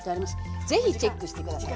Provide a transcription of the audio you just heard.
是非チェックして下さい。